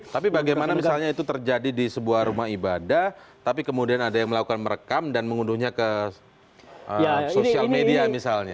tapi bagaimana misalnya itu terjadi di sebuah rumah ibadah tapi kemudian ada yang melakukan merekam dan mengunduhnya ke sosial media misalnya